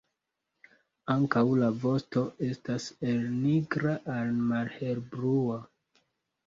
Ankaŭ la vosto estas el nigra al malhelblua.